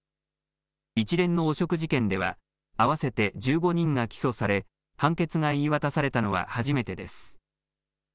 一連の汚職事件では合わせて１５人が起訴され、判決が言い渡されたのは初めてです。